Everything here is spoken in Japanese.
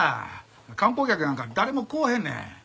観光客なんか誰も来おへんねん。